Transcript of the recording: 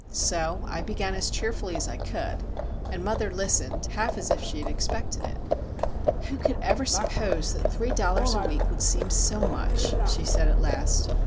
So I began as cheerfully as I could, and mother listened, half as if she had expected it. "Who could ever suppose that three dollars a week would seem so much?" she said, at last.